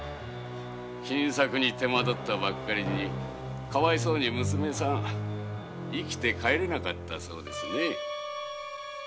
金策に手間取ったばっかりにかわいそうに娘さん生きて帰れなかったそうですね。